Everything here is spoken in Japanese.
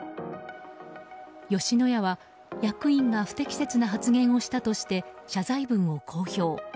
吉野家は役員が不適切な発言をしたとして謝罪文を公表。